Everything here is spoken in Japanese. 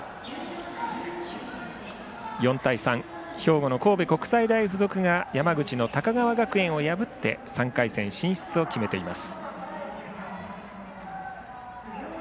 ４対３、兵庫の神戸国際大付属が山口の高川学園を破って３回戦進出を決めています。